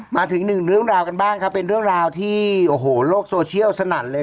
มาถึงหนึ่งเรื่องราวกันบ้างครับเป็นเรื่องราวที่โอ้โหโลกโซเชียลสนั่นเลย